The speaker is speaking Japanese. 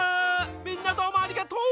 みんなどうもありがとう！